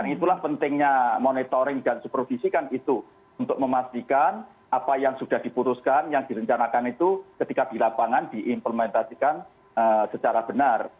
itulah pentingnya monitoring dan supervisi kan itu untuk memastikan apa yang sudah diputuskan yang direncanakan itu ketika di lapangan diimplementasikan secara benar